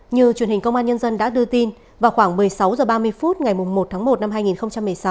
như truyền hình công an nhân dân đã đưa tin vào khoảng một mươi sáu h ba mươi phút ngày một tháng một năm hai nghìn một mươi sáu